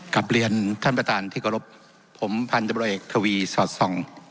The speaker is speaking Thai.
กลับเรียนท่านประธานที่กรบผมพันธุ์ยังบริเวศทวีสอดส่อง